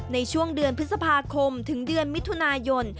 ในช่วงเดือนพฤษภาคมถึงเดือนมิถุนายน